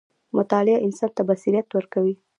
• مطالعه انسان ته بصیرت ورکوي.